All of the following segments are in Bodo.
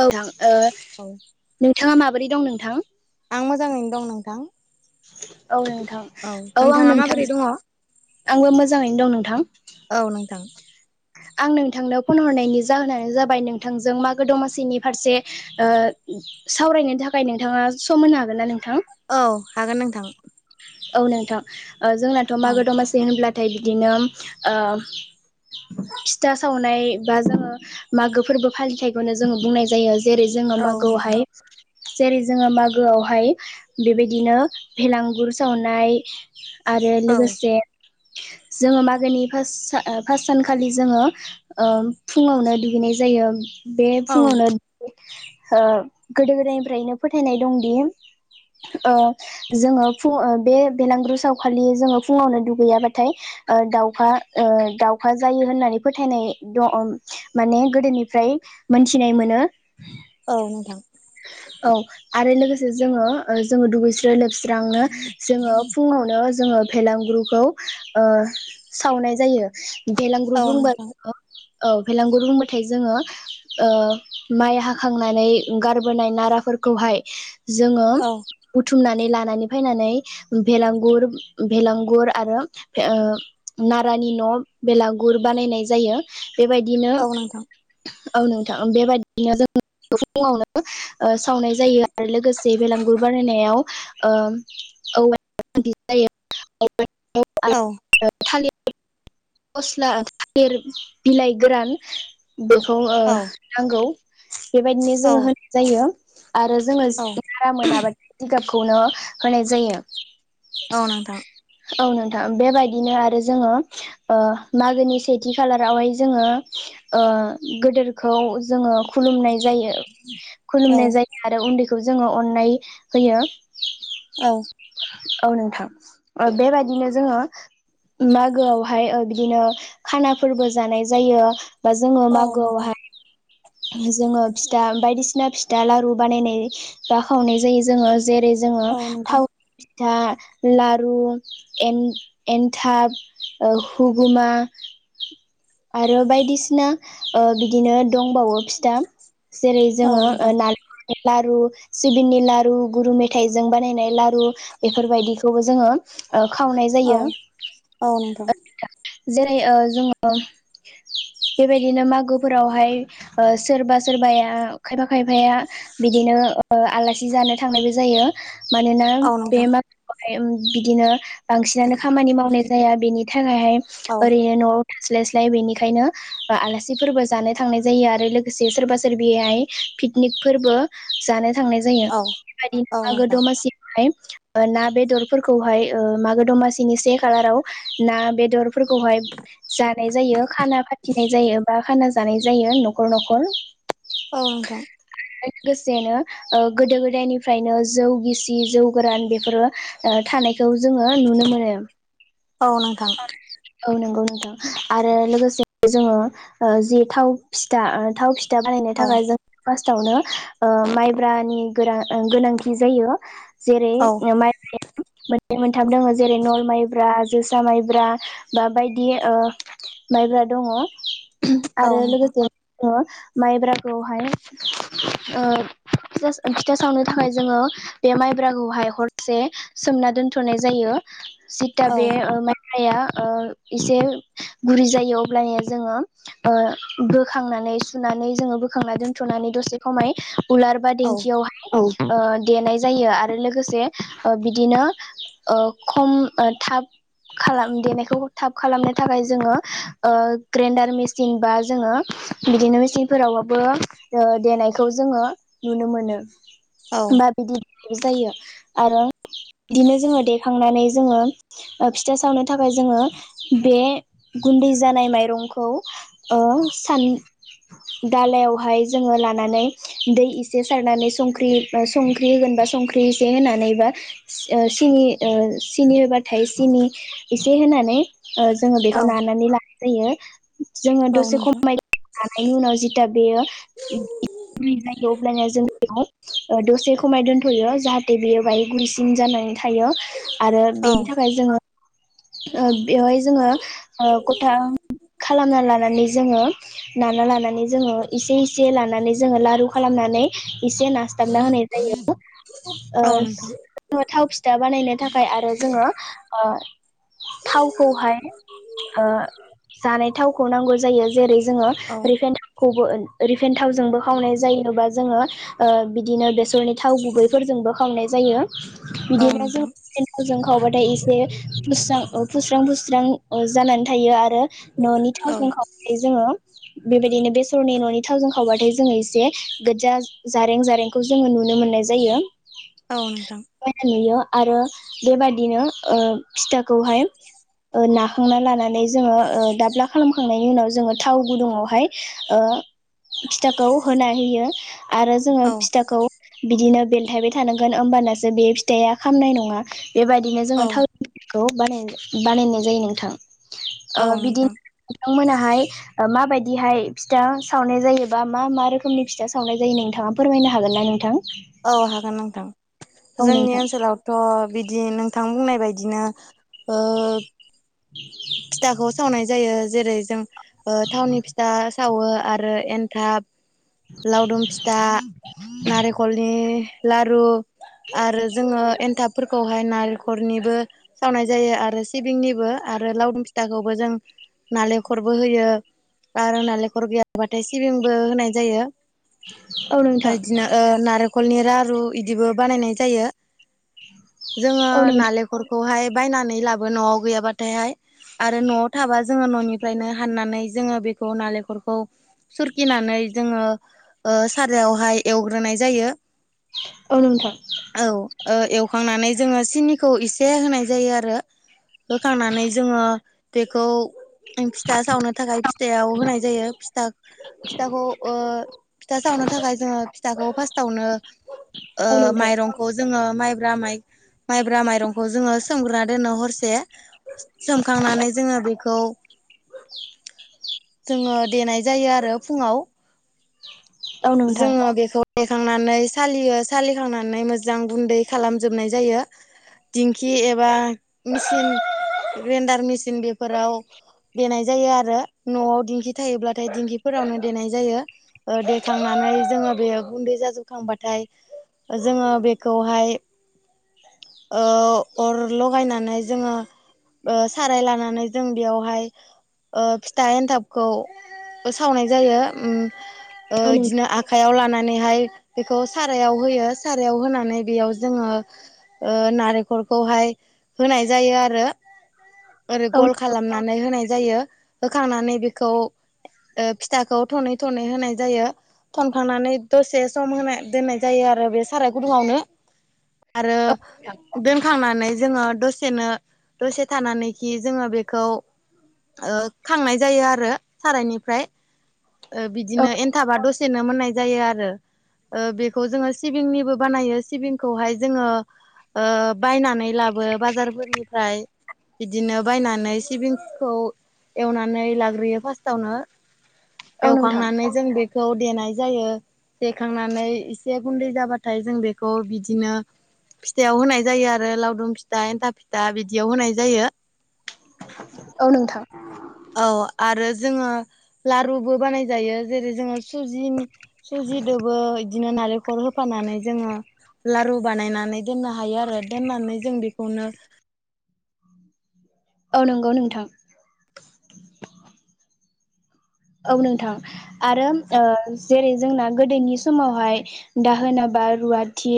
औ [unintelligible] ओ औ नोंथाङा माबोरै दं नोंथां? आं मोजाङैनो दं नोंथां। औ नोंथां औ आं नोंथाङा माबोरै दङ नोंथांजों आंबो मोजाङैनो दं नोंथां। औ नोंथां। आं नोंथांनो फन हरनायनि जाहोनानो जाबाय नोंथांजों मागो दमासिनि फारसे ओ सावरायनो थाखाय नोंथाङा सम होनो हागोन ना नोंथां? औ हागोन नोंथां। औ नोंथां ओ जोंनाथ' औ मागो दमासि होनब्लाथाय बिदिनो ओ फिथा सावनाय बा जोङो मागो फोरबो फालिथाइखौनो जोङो बुंनाय जायो जेरै- जोङो औ नोंथां मागोआवहाय जेरै- जोङो मागोआवहाय बेबायदिनो फेलांगुर सावनाय आरो औ लोगोसे जोङो मागोनि फास ओ फास सानखालि जोङो ओ फुङावनो दुगैनाय जायो बे औ फुङावनो ओ गोदो गोदायनिफ्रायनो फोथायनाय दंदि ओ जोङो फुं ओ बे बेलांगुर सावखालि जोङो फुङावनो दुगैयाबाथाय ओ दाउखा ओ दाउ खा जायो होननानै फोथायनाय द' ओ माने गोदोनिफ्राय मोनथिनाय मोनो। औ नोंथां। औ आरो लोगोसे जोङो ओ जोङो दुगैस्रो लोबस्रांनो जोङो फुङावनो जोङो फेलांगुरखौ ओ सावनाय जायो। बेलांगुर औ बुबा नोंथां जोङो औ भेलांगुर बुंबाथाय जोङो ओ माइ हाखांनानै गारबोनाय नाराफोरखौहाय जोङो औ बुथुमनानै लानानै फायनानै भेलांगुर भेलांगुर आरो ओ नारानि न' बेलागुर बानायनाय जायो बेबायदिनो औ नोंथां औ नोंथां बेबायदिनो जों [unintelligible] ओ सावनाय जायो आरो लोगोसे बेलांगुर बानायनायाव ओ [unintelligible] औ ओ थालि फस्ला थालिर बिलाइ गोरान बेखौ ओ औ नांगौ बेबायदिनो औ जोङो होनाय जायो आरो जोङो औ [inaudible] रा मोनाबादि जिगापखौनो होनाय जायो। औ नोंथां। औ नोंथां बेबायदिनो आरो जोङो ओ मागोनि सेथि खालारावहाय जोङो ओ गोदोरखौ जोङो खुलुमनाय जायो औ खुलुमनाय जाय आरो उन्दैखौ जोङो अन्नाय होयो। औ औ नोंथां ओ बेबायदिनो जोङो मागोआव हाय ओ बिदिनो खानाफोरबो जानाय जायो बा जोङो औ नोंथां मागोआवहाय जोङो फिथा बायदिसिना फिथा लारु बानायनाय बा खावनाय जायो जोङो जेर- जोङो औ नोंथां थावनि फिथा लारु एन-एनथाब ओ हुगुमा आरो बायदिसिना ओ बिदिनो दंबावो फिथा जेरै- औ जोङो ओ नोंथां नारि [inaudible] लारु सिबिंनि लारु गुरु मेथाइजों बानायनाय लारु बेफोरबायदिखौबो जोङो ओ खावनाय औ जायो। औ नंगौ जेरै जोङो बेबायदिनो मागोफोरावहाय सोरबा सोरबाया खायफा खायफाया बिदिनो आलासि जानो थांनायबो जायो मानोना औ बे नोंथां मा बिदिनो बांसिनानो खामानि मावनाय जाया बेनि थाखायहाय औ ओरैनो न' स्लाय स्लाय बेनिखायनो आलासिफोरबो जानो थांनाय जायो आरो लोगोसे सोरबा सोरबिहाय पिकनिक फोरबो जानो थांनाय जायो औ बेबायदिनो औ मागो नोंथां दमासियावहाय ना बेदरफोरखौहाय मागो दमासिनि से खालाराव ना बेदर फोरखौहाय जानाय जायो खाना फाथिनाय जायो बा खाना जानाय जायो न'खर न'खर औ नोंथां गो लोगोसेनो गोदो गोदायनिफ्रायनो जौ गिसि जौ गोरान बेफोरो थानाय बेखौ जोङो नुनो मोनो औ नोंथां औ नंगौ नोंथां आरो लोगोसे जोङो जि थाव फिथा थाव बिथा बाहायनो औ थाखाय जों फार्स्टावनो माइब्रानि गोरां गोनांथि जायो जेरै औ माइबाया मोनै मोनथाम दङ जेरै नल माइब्रा जोसा माइब्रा बा बायदि माइब्रा दङ औ आरो नोंथां लोगोसे माइब्राखौहाय ओ खिथा सावनो थाखाय जोङो बे माइब्राखौहाय हरसे सोमना दोनथ'नाय जायो सिता औ बे मलाया ओ एसे गुरै जायो अब्लानिया जोङो ओ बोखांनानै सुनानै जोङो बोखांनानै दोन्थ'नानै दसे खमाय उलार बा औ देंखियावह देनाय जायो आरो लोगोसे बिदिनो खम थाब खालाम देनाय थ थाब खालामनो थाखाय जोङो ग्रेन्डार मेसिन बा जोङो बिदिनो मेचनफोरावबाबो देनायखौ जोङो नुनो मोनो बा बिदि जायो आरो बिदिनो जोङो देखांनानै जोङो फिथा सावनो थाखाय जोङो बे गुन्दै जानाय माइरंखौ सान दालायावहाय जोङो लानानै दै इसे सारनानै संख्रि संख्रि होगोन बा संख्रि एसे होनानै बा ओ सिनि ओ सिनि होबाथाय सिनि इसे होनानै ओ जोंङो औ बेखौ नानानै लानाय जायो जोंङो औ दसे नोंथां खमाय लानायनि उनाव जेथिया बेयो जायो अब्लानो जों बेयाव दसे खमाय दोनथ'यो जाहाथे बियो बाय गुरैसिन जानानै थायो आरो बेनि थाखाय जोङो बेवहाय जोङो गथा औ खालामना लानानै जोङो नाना लानानै जोङो एसे एसे लानानै जोङो लारु खालामनानै एसे ना थामना होनाय जायो औ ओ नोंथां थाव फिथा बानायनो थाखाय आरो जोङो थावखौहाय ओ जानाय थावखौ नांगौ जायो जेरै जोङो औ रिफाइन खौबो रिफेन थावजोंबो खावनाय जायोे बा जोङो ओ बिदिनो बेसरनि थाव गुबैफोरजोंबो खावनाय जायो औ बिदिनो जों नोंथां रिफाइन थावजों खावबाथाय एसे फुस्रां फुस्रां फुस्रां जानानै थायो आरो न'नि औ थावजों खाव बे जोङो बेबायदिनो बेसरनि न'नि थावजों खावबाथाय जोङो एसे गोज्जा जारें जारें खौ जोङो नुनो मोननाय जायो औ नोंथां मायना नुयो आरो बेबादिनो ओ फिथाखौहाय ओ नाखांना लानानै जोङो ओ दाब्ला खालामखांनायनि उनाव जोङो थाव गुदुङावहाय ओ फिथाखौ होना होयो आरो जोङो औ फिथाखौ बिदिनो बेलथायबाय थानांगोन ओमबानासो बे फिथाया खामनाय नङा बेबायदिनो औ जोङो थाव खौ बानाय बानायनाय जायो नोंथां औ बिदिन नोंथां नोंथांमोनाहाय ओ माबायदिहाय फिथा सावनाय जायो बा मा मा रोखोमनि फिथा सावनाय जायो नोंथाङा फोरमायनो हागोन ना नोंथां औ हागोन नोंथां औ जोंनि नोंथां ओनसोलाव थ' बिदि नोंथां बुंनाय बायदिनो ओ [inaudible] फिथाखौ सावनाय जायो जेरै जों ओ थावनि फिथ था सावो आरो एन्थाब लावदुम फिथा नारेख खलनि लारु आरो जोङो एन्थाबफोरखौहाय नारेखरनिबो सावनाय जायो आरो सिबिंनिबो आरो लावदुम फिथाखौबो जों नालेखरबो होयो आरो नालेखर गैयाबाथाय सिबिंबो होनाय जायो औ [unintelligible] [inaudible] नोंथां इदिनो ओ नारेखलनि रारु इदिबो बानायनाय जायो जोंङो औ नाले खरखौहाय बायनानै लाबो न'आव गैयाबा थायहाय आरो न'आव थाबा जोङो न'निफ्रायनो हाननानै जोङो बेखौ नालेखरखौ सुरखिनानै जोङो ओ सारायावहाय एवग्रोनाय जायो औ नोंथां औ ओ एवखांनानै जोङो सिनिखौ एसे होनाय जायो आरो [unintelligible] खांनानै जोङो बेखौ [unintelligible] फिथा सावनो थाखाय फिथायाव होनाय जायो फिथा फिथाखौ ओ फिथा सावनो थाखाय जोङो बि फिथाखौ फास्टावनो ओ औ नोंथां माइरं खौ जोङो माइब्रा माइ माइब्रा माइरंखौ जोङो सोमग्रोना दोननो हरसे सोमखांनानै जोङो बेखौ जोङो देनाय जायो आरो फुङाव औ नोंथां जोङो बेखौ देखांनानै सालियो सालिखांनानै मोजां गुन्दै खालामजोबनाय जायो। दिंखि एबा मिचिन ग्रेन्डार मिसिन बेफोराव देनाय जायो आरो न'आव दिंखि थायोब्लाथाय दिंखिफोरावनो देनाय जायो ओ देखांनानै जोङो बे गुन्दै जाजोबखांबाथाय जोङो बेखौहाय ओ अर लगायनानै जोङो ओ साराय लानानै जों बेयावहाय ओ फि फिथा एन्थाबखौ सावनाय जायो उम ओ औ नोंथां औ नों इदिनो [unintelligible] खायाव लानानैहाय बेखौ सारायाव होयो सारायाव होनानै बेयाव जोङो ओ नारेखरखौहाय होनाय जायो आरो ओरै औ गल खालामनानै होनाय जायो होखांनानै बेखौ ऐ फिथाखौ थनै थनै होनाय जायो थनखांनानै दसे सम होनाय दोननाय जायो आरो बे साराय गुदुंआवनो आरो दोनखांनानै जोङो दस सेनो दसे थानानैखि जोङो बेखौ ओ खांनाय जायो आरो सारायनिफ्राय ओ औ बिदिनो एन्थाबा दसेनो मोननाय जायो आरो ओ बेखौ जोङो सिबिंनिबो बानायो सिबिंखौहाय जोङो ओ बायनानै लाबो बाजारफोरनिफ्राय बिदिनो बायनानै सिबिंखौ एवनानै लाग्रोयो फार्स्टावनो औ नोंथां एवखांनानै जों बे खौ देनाय जायो देखांनानै एसे गुन्दै जाबाथाय जों बेखौ बिदिनो फिथायाव होनाय जायो आरो लावदुम फिथा एन्था फिथा बिदियाव होनाय जायो औ नोंथां औ आरो जोङो लारुबो बानाय जायो जेरै जोङो सुजिनि सुजिदोबो बिदिनो नारेंखल हो फानानै जोङो लारु बानायनानै दोननो हायो आरो दोननानै जों बेखौनो औ नंगौ नोंथां औ नोंथां आरो ओ जेरै जोंना गोदोनि समावहाय दाहोनाबा रुवाथि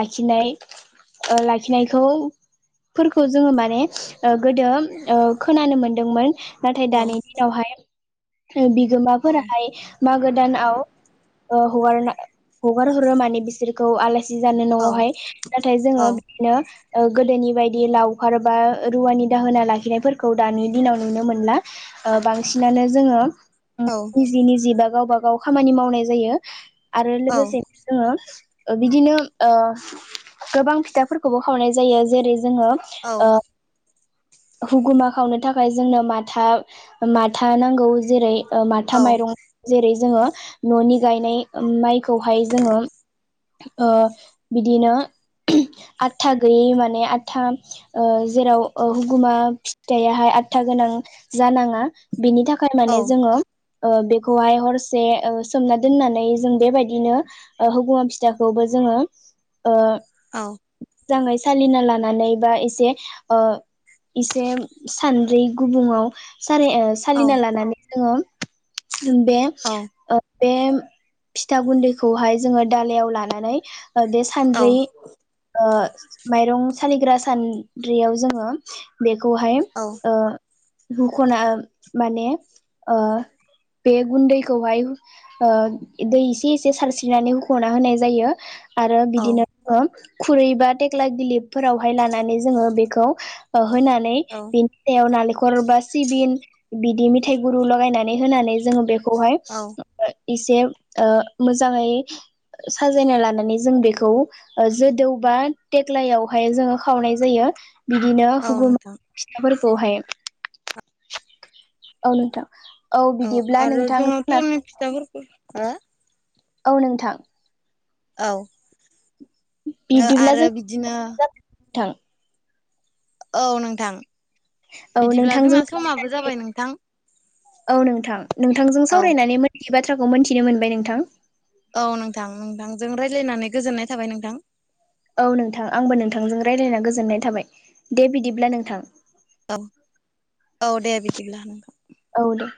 लाखिनाय ओ लाखिनायखौ फोरखौ जोङो माने गोदो खोनानो मोनदोंमोन नाथाय औ दानि दिनावहाय औ बिगोमाफोराहाय मागो दानाव ओ हगारना हगार हरा माने बिसोरखौ आला सि जानो औ न'आवहाय नाथाय औ जोङो बिदिनो ओ गोदोनि बायदि लावखार बा रुवानि दाहोना लाखिनायफोरखौ दानि दिनाव नुनो मोनला ओ बांसिनानो जोङो निजि निजि बा गावबा गाव खामानि मावनाय जायो आरो औ लोगोसेनो जोङो बिदिनो ओ गोबां फिथाफोर खौबो खावनाय जायो जेरै जोङो औ ओ हुगुमा खावनो थाखाय जोंनो माथा माथा नां खौ जेरै ओ माथा माइरं जेरै जोङो न'नि गायनाय माइखौहाय जोङो ओ बिदिनो आटथा गैयै माने आतथा ओ जेराव हुगुमा फिटथायाहाय आदथा गोनां जानाङा बेनि थाखाय थाखाय औ माने जोङो ओ बेखौहाय हरसे सोमना दोननानै जों बेबायदिनो ओ हगुमा फिथायखौबो जोङो ओ औ मोजाङै सालिना लानानै बा एसे ओ इसे सान्द्रि गुबुङाव सारि एस सालिना लानानै जोङो जों बे औ बे फिथा गुन्दैखौहाय जोङो दालायाव लानानै बे सानद्रै ओ माइरं सालिग्रा सान्द्रियाव जोङो बेखौहाय ओ हुखना माने ओ बे गुन्दैखौहाय ओ दै एसे एसे सारस्रिनानै होख'ना होनाय जायो। आरो बिदि औ नाङो खुरै बा थेख्ला गिलिपफोरावहाय लानानै जोङो बेखौ होनानै औ बिनि सायाव नालेंखर बा सिबिन बिदि मिथाइ गुरु लगायनानै होनानै जोङो बेखौहाय औ एसे ओ मोजाङै साजायना लानानै जों बेखौ ओ जोदौ बा देग्लायावहाय जोङो खावनाय जायो बिदिनो औ हुगुल नोंथां फिथायफोरखौहाय औ नोंथां औ बिदिब्ला नोंथां आरोथ' जोंना गेमनि फिथाफोरखौ हो औ नोंथां औ बिब्दिब्ला आरो जों [unintelligible] बिदिनो नोंथां औ नोंथां औ बिदिब्ला नोंथांजों जोंना समाबो सावरायनानै जाबाय नोंथां। औ नोंथां नोंथांजों औ सावरायनानै मोनथि बाथ्राखौ मोनथिनो मोनबाय नोंथां। औ नोंथां नोंथांजों रायज्लायनानै गोजोननाय थाबाय नोंथां। औ नोंथां आंबो नोंथांजों रायज्लायना गोजोननाय थाबाय दे बिदिब्ला नोंथां। औ औ दे बिदिब्ला नोंथां। औ दे